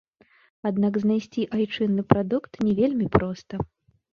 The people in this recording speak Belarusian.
Аднак знайсці айчынны прадукт не вельмі проста.